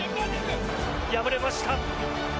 敗れました。